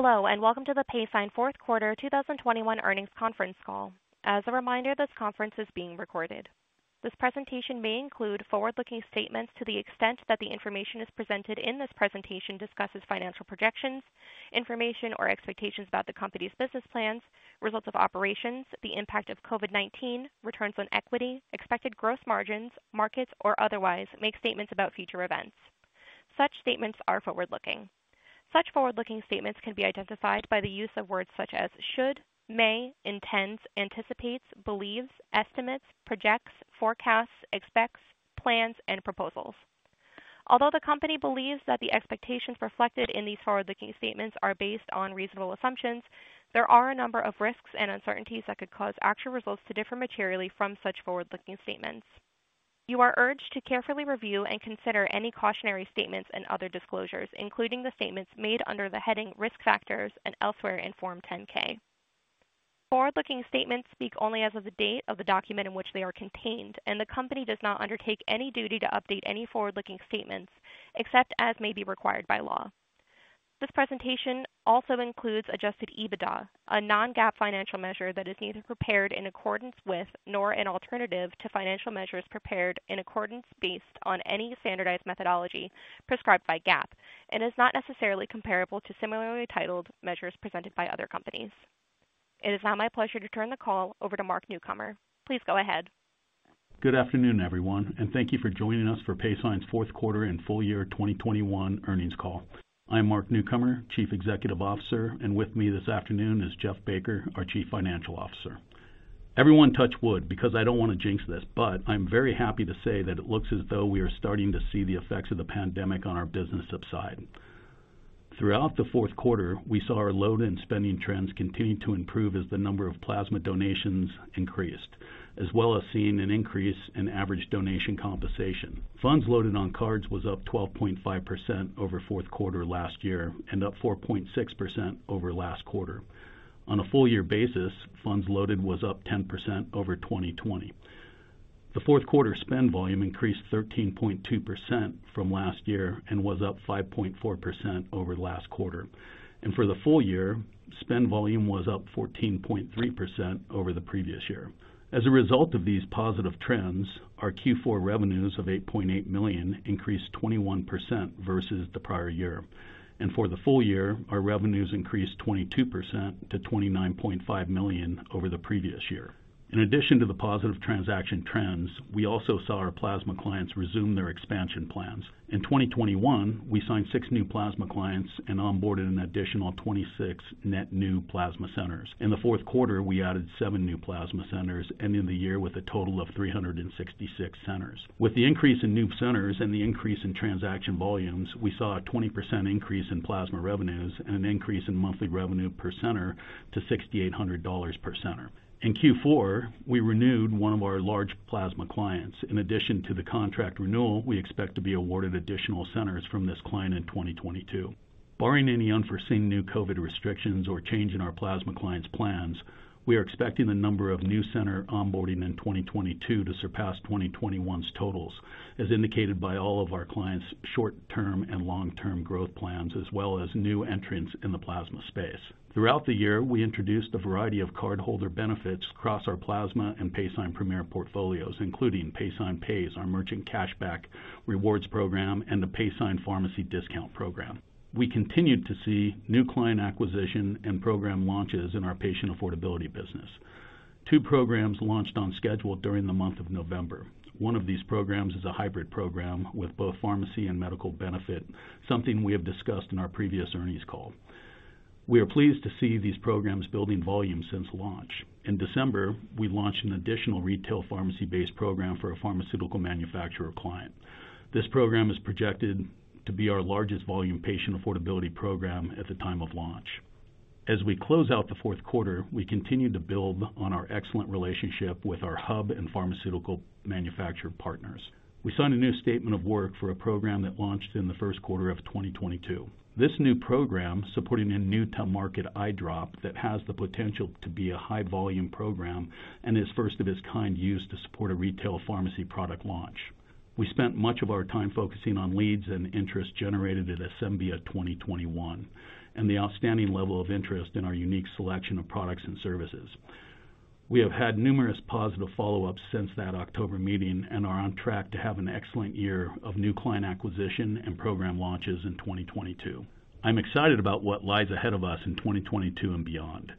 Hello, and welcome to the Paysign Fourth Quarter 2021 Earnings Conference Call. As a reminder, this conference is being recorded. This presentation may include forward-looking statements to the extent that the information is presented in this presentation discusses financial projections, information, or expectations about the company's business plans, results of operations, the impact of COVID-19, returns on equity, expected gross margins, markets, or otherwise make statements about future events. Such statements are forward-looking. Such forward-looking statements can be identified by the use of words such as should, may, intends, anticipates, believes, estimates, projects, forecasts, expects, plans, and proposals. Although the Company believes that the expectations reflected in these forward-looking statements are based on reasonable assumptions, there are a number of risks and uncertainties that could cause actual results to differ materially from such forward-looking statements. You are urged to carefully review and consider any cautionary statements and other disclosures, including the statements made under the heading Risk Factors and elsewhere in Form 10-K. Forward-looking statements speak only as of the date of the document in which they are contained, and the Company does not undertake any duty to update any forward-looking statements except as may be required by law. This presentation also includes adjusted EBITDA, a non-GAAP financial measure that is neither prepared in accordance with GAAP nor an alternative to financial measures prepared in accordance with GAAP and is not necessarily comparable to similarly titled measures presented by other companies. It is now my pleasure to turn the call over to Mark Newcomer. Please go ahead. Good afternoon, everyone, and thank you for joining us for Paysign's fourth quarter and full year 2021 earnings call. I'm Mark Newcomer, Chief Executive Officer, and with me this afternoon is Jeff Baker, our Chief Financial Officer. Everyone touch wood because I don't want to jinx this, but I'm very happy to say that it looks as though we are starting to see the effects of the pandemic on our business subside. Throughout the fourth quarter, we saw our load and spending trends continue to improve as the number of plasma donations increased, as well as seeing an increase in average donation compensation. Funds loaded on cards was up 12.5% over fourth quarter last year and up 4.6% over last quarter. On a full year basis, funds loaded was up 10% over 2020. The fourth quarter spend volume increased 13.2% from last year and was up 5.4% over last quarter. For the full year, spend volume was up 14.3% over the previous year. As a result of these positive trends, our Q4 revenues of $8.8 million increased 21% versus the prior year. For the full year, our revenues increased 22% to $29.5 million over the previous year. In addition to the positive transaction trends, we also saw our plasma clients resume their expansion plans. In 2021, we signed six new plasma clients and onboarded an additional 26 net new plasma centers. In the fourth quarter, we added seven new plasma centers, ending the year with a total of 366 centers. With the increase in new centers and the increase in transaction volumes, we saw a 20% increase in plasma revenues and an increase in monthly revenue per center to $6,800 per center. In Q4, we renewed one of our large plasma clients. In addition to the contract renewal, we expect to be awarded additional centers from this client in 2022. Barring any unforeseen new COVID restrictions or change in our plasma clients' plans, we are expecting the number of new center onboarding in 2022 to surpass 2021's totals, as indicated by all of our clients' short-term and long-term growth plans, as well as new entrants in the plasma space. Throughout the year, we introduced a variety of cardholder benefits across our Plasma and Paysign Premier portfolios, including Paysign Pays, our merchant cashback rewards program, and the Paysign Pharmacy Discount Program. We continued to see new client acquisition and program launches in our Patient Affordability business. Two programs launched on schedule during the month of November. One of these programs is a hybrid program with both pharmacy and medical benefit, something we have discussed in our previous earnings call. We are pleased to see these programs building volume since launch. In December, we launched an additional retail pharmacy-based program for a pharmaceutical manufacturer client. This program is projected to be our largest volume Patient Affordability program at the time of launch. As we close out the fourth quarter, we continue to build on our excellent relationship with our hub and pharmaceutical manufacturer partners. We signed a new statement of work for a program that launched in the first quarter of 2022. This new program, supporting a new-to-market eye drop that has the potential to be a high volume program and is first of its kind used to support a retail pharmacy product launch. We spent much of our time focusing on leads and interest generated at Asembia 2021 and the outstanding level of interest in our unique selection of products and services. We have had numerous positive follow-ups since that October meeting and are on track to have an excellent year of new client acquisition and program launches in 2022. I'm excited about what lies ahead of us in 2022 and beyond.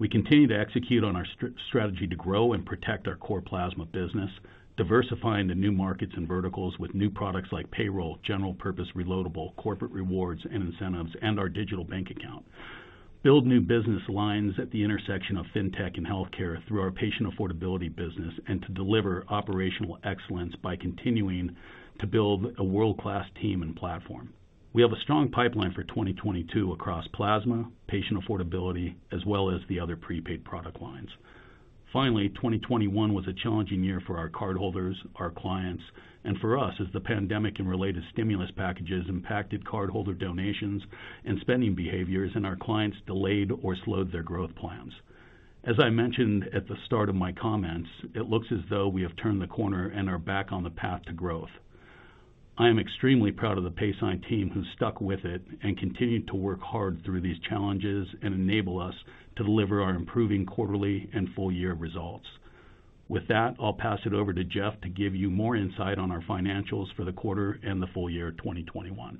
We continue to execute on our strategy to grow and protect our core plasma business, diversifying the new markets and verticals with new products like payroll, general purpose reloadable, corporate rewards and incentives, and our digital bank account. Build new business lines at the intersection of fintech and healthcare through our patient affordability business and to deliver operational excellence by continuing to build a world-class team and platform. We have a strong pipeline for 2022 across plasma, patient affordability, as well as the other prepaid product lines. Finally, 2021 was a challenging year for our cardholders, our clients, and for us as the pandemic and related stimulus packages impacted cardholder donations and spending behaviors and our clients delayed or slowed their growth plans. As I mentioned at the start of my comments, it looks as though we have turned the corner and are back on the path to growth. I am extremely proud of the Paysign team who stuck with it and continued to work hard through these challenges and enable us to deliver our improving quarterly and full-year results. With that, I'll pass it over to Jeff to give you more insight on our financials for the quarter and the full year 2021.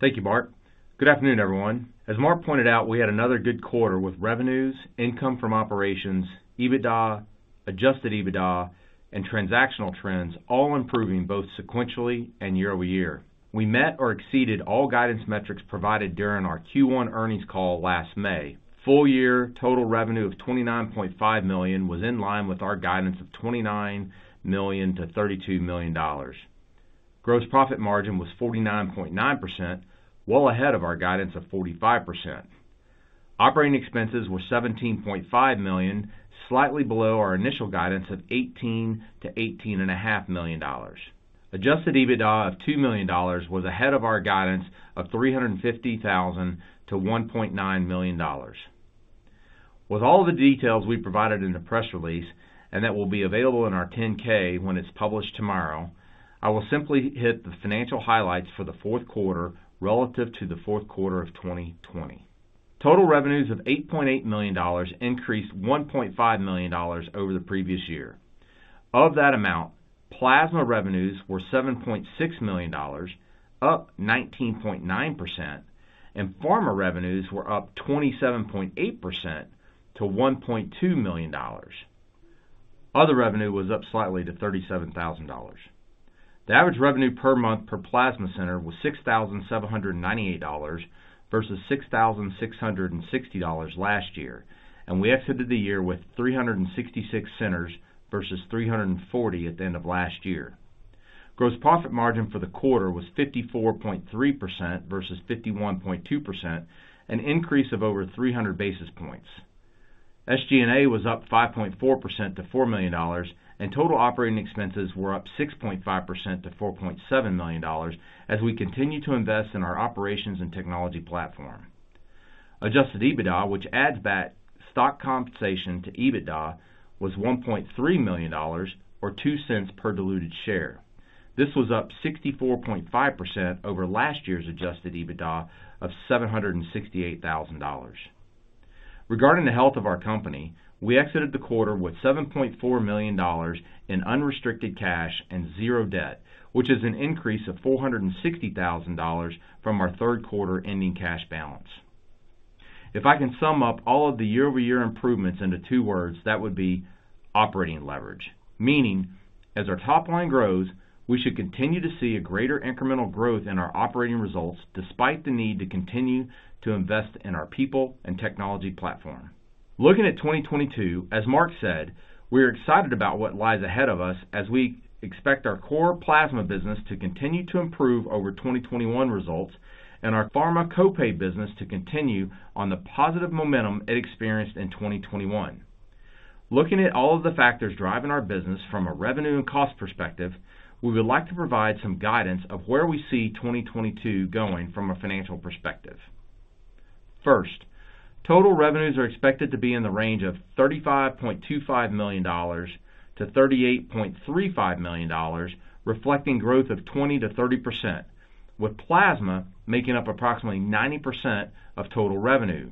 Thank you, Mark. Good afternoon, everyone. As Mark pointed out, we had another good quarter with revenues, income from operations, EBITDA, adjusted EBITDA, and transactional trends all improving both sequentially and year-over-year. We met or exceeded all guidance metrics provided during our Q1 earnings call last May. Full year total revenue of $29.5 million was in line with our guidance of $29 million-$32 million. Gross profit margin was 49.9%, well ahead of our guidance of 45%. Operating expenses were $17.5 million, slightly below our initial guidance of $18 million-$18.5 million. Adjusted EBITDA of $2 million was ahead of our guidance of $350,000-$1.9 million. With all the details we provided in the press release and that will be available in our 10-K when it's published tomorrow, I will simply hit the financial highlights for the fourth quarter relative to the fourth quarter of 2020. Total revenues of $8.8 million increased $1.5 million over the previous year. Of that amount, plasma revenues were $7.6 million, up 19.9%, and pharma revenues were up 27.8% to $1.2 million. Other revenue was up slightly to $37,000. The average revenue per month per plasma center was $6,798 versus $6,660 last year, and we exited the year with 366 centers versus 340 at the end of last year. Gross profit margin for the quarter was 54.3% versus 51.2%, an increase of over 300 basis points. SG&A was up 5.4% to $4 million, and total operating expenses were up 6.5% to $4.7 million as we continue to invest in our operations and technology platform. Adjusted EBITDA, which adds back stock compensation to EBITDA, was $1.3 million or $0.02 per diluted share. This was up 64.5% over last year's adjusted EBITDA of $768,000. Regarding the health of our company, we exited the quarter with $7.4 million in unrestricted cash and zero debt, which is an increase of $460,000 from our third quarter ending cash balance. If I can sum up all of the year-over-year improvements into two words, that would be operating leverage, meaning as our top line grows, we should continue to see a greater incremental growth in our operating results despite the need to continue to invest in our people and technology platform. Looking at 2022, as Mark said, we are excited about what lies ahead of us as we expect our core plasma business to continue to improve over 2021 results and our pharma co-pay business to continue on the positive momentum it experienced in 2021. Looking at all of the factors driving our business from a revenue and cost perspective, we would like to provide some guidance of where we see 2022 going from a financial perspective. First, total revenues are expected to be in the range of $35.25 million-$38.35 million, reflecting growth of 20%-30%, with plasma making up approximately 90% of total revenue.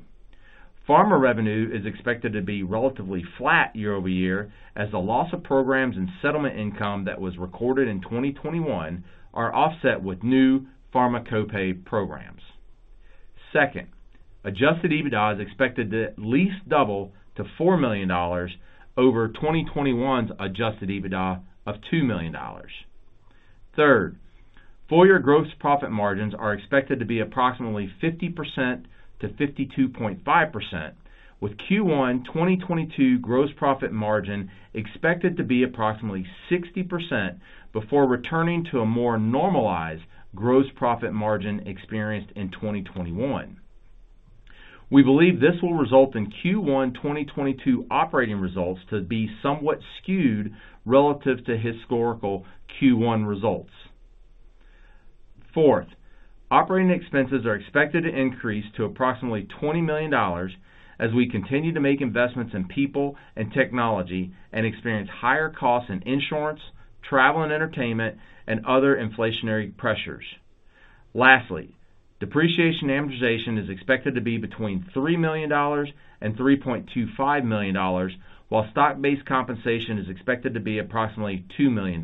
Pharma revenue is expected to be relatively flat year-over-year as the loss of programs and settlement income that was recorded in 2021 are offset with new pharma co-pay programs. Second, adjusted EBITDA is expected to at least double to $4 million over 2021's adjusted EBITDA of $2 million. Third, full year gross profit margins are expected to be approximately 50%-52.5%, with Q1 2022 gross profit margin expected to be approximately 60% before returning to a more normalized gross profit margin experienced in 2021. We believe this will result in Q1 2022 operating results to be somewhat skewed relative to historical Q1 results. Fourth, operating expenses are expected to increase to approximately $20 million as we continue to make investments in people and technology and experience higher costs in insurance, travel and entertainment, and other inflationary pressures. Lastly, depreciation and amortization is expected to be between $3 million and $3.25 million, while stock-based compensation is expected to be approximately $2 million.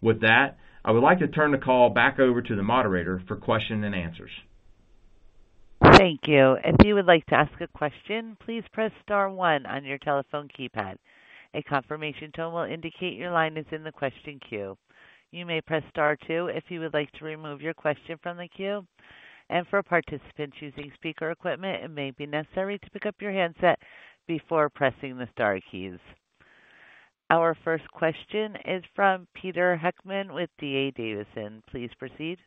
With that, I would like to turn the call back over to the moderator for question and answers. Thank you. If you would like to ask a question, please press star one on your telephone keypad. A confirmation tone will indicate your line is in the question queue. You may press star two if you would like to remove your question from the queue. For participants using speaker equipment, it may be necessary to pick up your handset before pressing the star keys. Our first question is from Peter Heckmann with D.A. Davidson. Please proceed.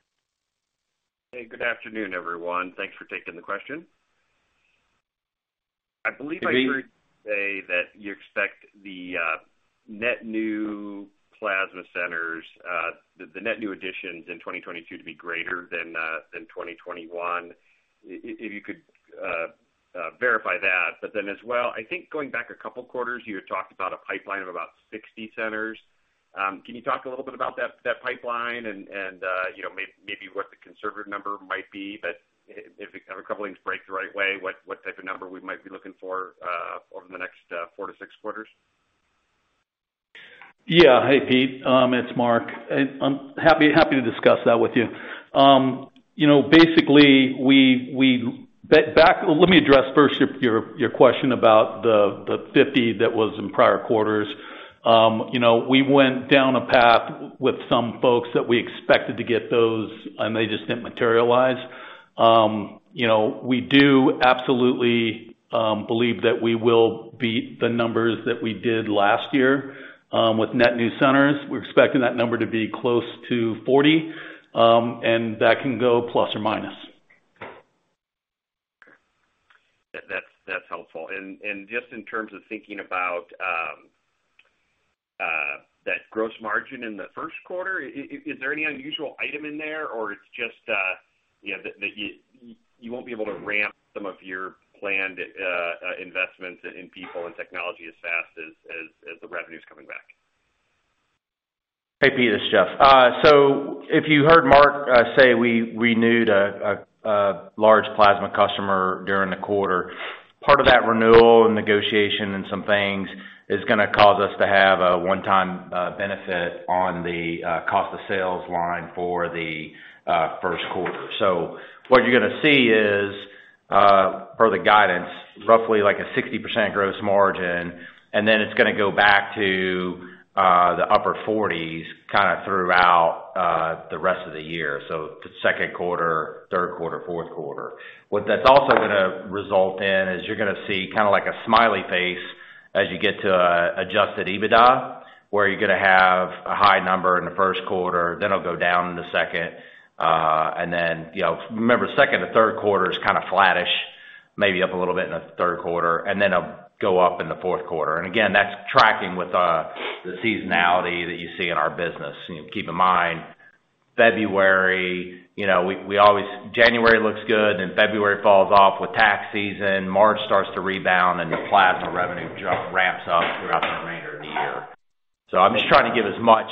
Hey, good afternoon, everyone. Thanks for taking the question. I believe I heard you say that you expect the net new plasma centers, the net new additions in 2022 to be greater than 2021. If you could verify that, but then as well, I think going back a couple quarters, you had talked about a pipeline of about 60 centers. Can you talk a little bit about that pipeline and you know, maybe what the conservative number might be, but if a couple of things break the right way, what type of number we might be looking for over the next four to six quarters? Yeah. Hey, Pete, it's Mark, and I'm happy to discuss that with you. You know, basically, let me address first your question about the 50 that was in prior quarters. You know, we do absolutely believe that we will beat the numbers that we did last year with net new centers. We're expecting that number to be close to 40, and that can go ±. That's helpful. Just in terms of thinking about that gross margin in the first quarter, is there any unusual item in there, or it's just, you know, that you won't be able to ramp some of your planned investments in people and technology as fast as the revenue's coming back? Hey, Pete, this is Jeff. If you heard Mark say we renewed a large plasma customer during the quarter, part of that renewal and negotiation and some things is gonna cause us to have a one-time benefit on the cost of sales line for the first quarter. What you're gonna see is, per the guidance, roughly like a 60% gross margin, and then it's gonna go back to the upper 40s kinda throughout the rest of the year. The second quarter, third quarter, fourth quarter. What that's also gonna result in is you're gonna see kinda like a smiley face as you get to adjusted EBITDA, where you're gonna have a high number in the first quarter, then it'll go down in the second. You know, remember, second to third quarter is kinda flattish, maybe up a little bit in the third quarter, and then it'll go up in the fourth quarter. Again, that's tracking with the seasonality that you see in our business. You know, keep in mind, January looks good, and February falls off with tax season. March starts to rebound, and the plasma revenue ramps up throughout the remainder of the year. I'm just trying to give as much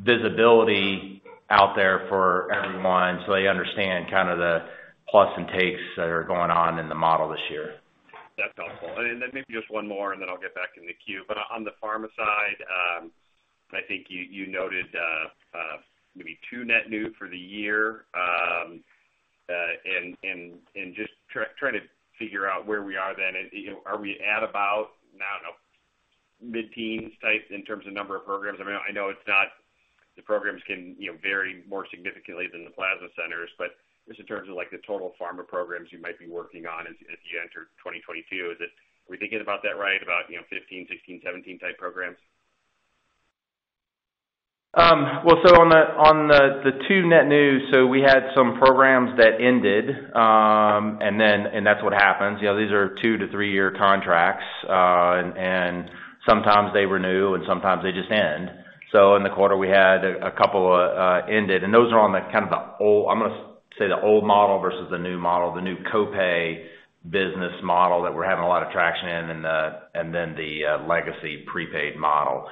visibility out there for everyone so they understand kinda the plus and takes that are going on in the model this year. That's helpful. Maybe just one more, and then I'll get back in the queue. On the pharma side, I think you noted maybe two net new for the year. Just trying to figure out where we are then. You know, are we at about, I don't know, mid-teens type in terms of number of programs? I mean, I know it's not. The programs can, you know, vary more significantly than the plasma centers. Just in terms of, like, the total pharma programs you might be working on as you enter 2022. Is it? Are we thinking about that right, about, you know, 15, 16, 17 type programs? Well, on the Q2 net revenue, we had some programs that ended, and then that's what happens. You know, these are two-three-year contracts, and sometimes they renew, and sometimes they just end. In the quarter, we had a couple ended, and those are on the kind of the old, I'm gonna say the old model versus the new model, the new co-pay business model that we're having a lot of traction in and then the legacy prepaid model.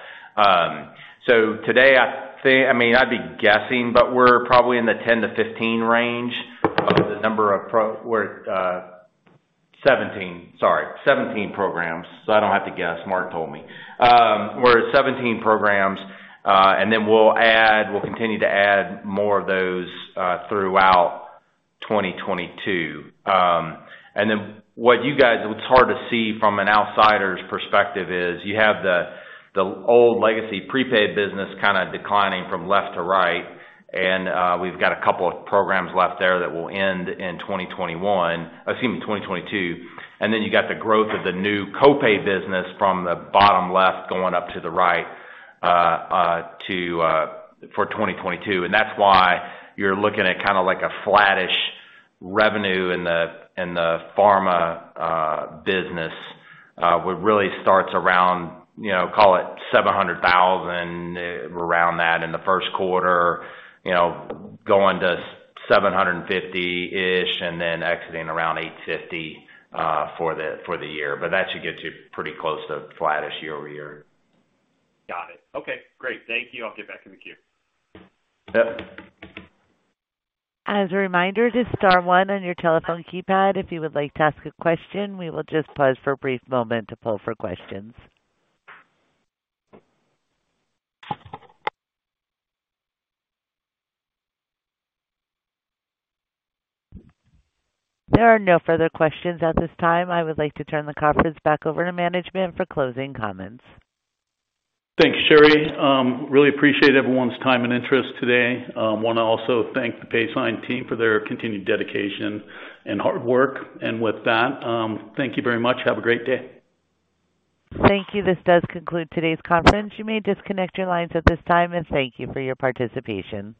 Today, I think I mean, I'd be guessing, but we're probably in the 10-15 range of the number of programs. We're 17. Sorry. 17 programs. I don't have to guess. Mark told me. We're at 17 programs, and then we'll continue to add more of those throughout 2022. What's hard to see from an outsider's perspective is you have the old legacy prepaid business kinda declining from left to right. We've got a couple of programs left there that will end in 2022. You got the growth of the new co-pay business from the bottom left going up to the right for 2022. That's why you're looking at kinda like a flattish revenue in the pharma business what really starts around, you know, call it $700,000, around that in the first quarter, you know, going to $750-ish, and then exiting around $850 for the year. That should get you pretty close to flattish year-over-year. Got it. Okay, great. Thank you. I'll get back in the queue. Yep. As a reminder, just star one on your telephone keypad if you would like to ask a question. We will just pause for a brief moment to poll for questions. There are no further questions at this time. I would like to turn the conference back over to management for closing comments. Thanks, Sherry. Really appreciate everyone's time and interest today. Wanna also thank the Paysign team for their continued dedication and hard work. With that, thank you very much. Have a great day. Thank you. This does conclude today's conference. You may disconnect your lines at this time, and thank you for your participation.